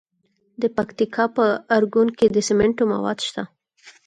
د پکتیکا په ارګون کې د سمنټو مواد شته.